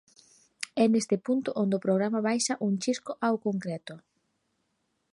É neste punto onde o programa baixa un chisco ao concreto.